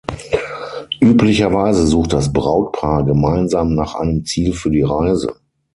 Üblicherweise sucht das Brautpaar gemeinsam nach einem Ziel für die Reise.